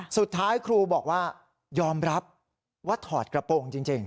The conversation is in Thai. สุดท้ายครูบอกว่ายอมรับว่าถอดกระโปรงจริง